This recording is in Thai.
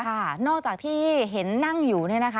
นอกจากที่เห็นนั่งอยู่เนี่ยนะคะ